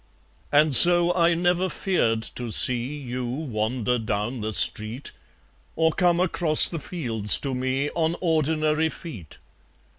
And so I never feared to see You wander down the street, Or come across the fields to me On ordinary feet.